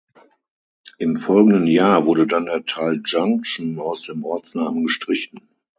Im folgenden Jahr wurde dann der Teil „Junction“ aus dem Ortsnamen gestrichen.